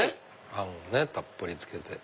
あんをたっぷりつけて。